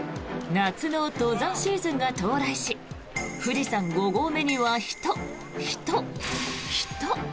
夏の登山シーズンが到来し富士山５合目には人、人、人。